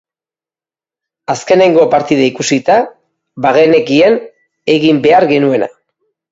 Azkenengo partida ikusita, bagenekien egin behar genuena.